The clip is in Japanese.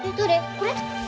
これ？